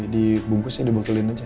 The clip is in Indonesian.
dibungkusnya dibukulin aja